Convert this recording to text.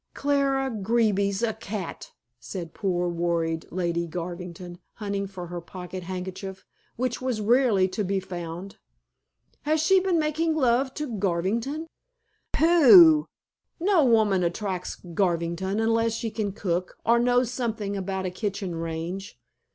"Clara Greeby's a cat," said poor, worried Lady Garvington, hunting for her pocket handkerchief, which was rarely to be found. "Has she been making love to Garvington?" "Pooh! No woman attracts Garvington unless she can cook, or knows something about a kitchen range.